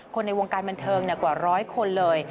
ในวงการบันเทิงกว่าร้อยคนเลย